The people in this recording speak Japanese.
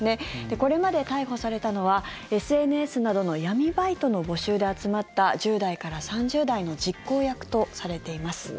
これまで逮捕されたのはＳＮＳなどの闇バイトの募集で集まった１０代から３０代の実行役とされています。